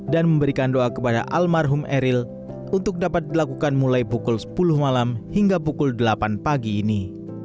dan memberikan doa kepada almarhum eril untuk dapat dilakukan mulai pukul sepuluh malam hingga pukul delapan pagi ini